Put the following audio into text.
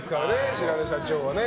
白根社長は。